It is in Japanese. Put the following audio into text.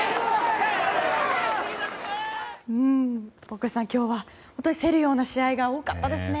大越さん、今日は本当に競るような試合が多かったですね。